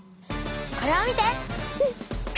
これを見て！